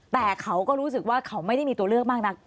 แต่เขาก็รู้สึกว่าเขาไม่ได้มีตัวเลือกมากนัก